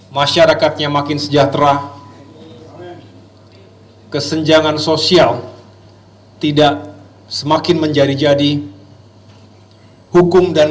masyarakatnya makin sejahtera kesenjangan sosial tidak semakin menjadi jadi hukum dan